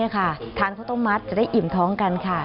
ทานข้าวต้มมัดจะได้อิ่มท้องกันค่ะ